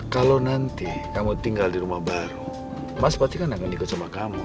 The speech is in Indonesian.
kalau nanti kamu tinggal di rumah baru mas pasti kan akan ikut sama kamu